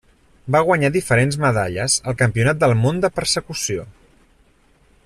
Va guanyar diferents medalles al Campionat del món de persecució.